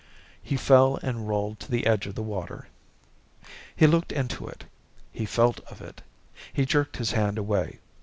He fell and rolled to the edge of the water. He looked into it. He felt of it. He jerked his hand away.